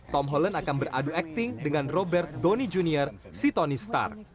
tom holland akan beradu akting dengan robert downey jr si tony stark